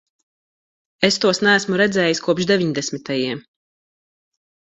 Es tos neesmu redzējis kopš deviņdesmitajiem.